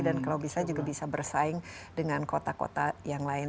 dan kalau bisa juga bisa bersaing dengan kota kota yang lain